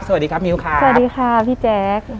สวัสดีครับมิ้วค่ะสวัสดีค่ะพี่แจ๊ค